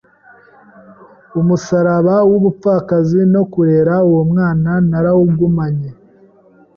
umusaraba w’ubupfakazi no kurera uwo mwana narawugumanye